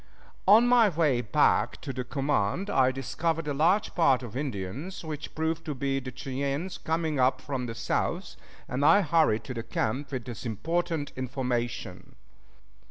On my way back to the command I discovered a large party of Indians, which proved to be the Cheyennes, coming up from the south, and I hurried to the camp with this important information.